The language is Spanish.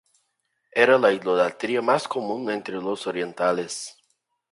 Era la idolatría más común entre los orientales.